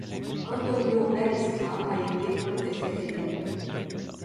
Antonio Balestra a été un de ses élèves.